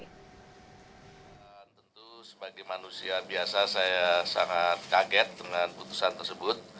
tentu sebagai manusia biasa saya sangat kaget dengan putusan tersebut